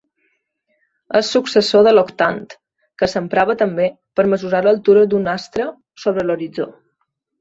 És successor de l'octant, que s'emprava també per mesurar l'altura d'un astre sobre l'horitzó.